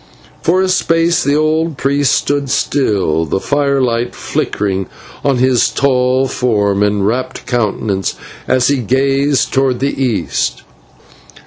Then for a space the old priest stood still, the firelight flickering on his tall form and rapt countenance as he gazed towards the east.